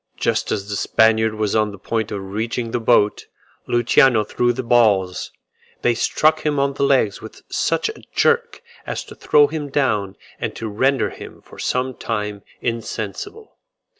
Just as the Spaniard was on the point of reaching the boat, Luciano threw the balls: they struck him on the legs with such a jerk, as to throw him down and to render him for some time insensible.